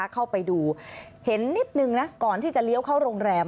เข้าไปดูเห็นนิดนึงนะก่อนที่จะเลี้ยวเข้าโรงแรม